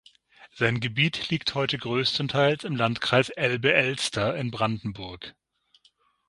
Sein Gebiet liegt heute größtenteils im Landkreis Elbe-Elster in Brandenburg.